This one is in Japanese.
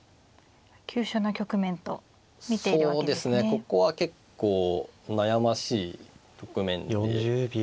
ここは結構悩ましい局面で。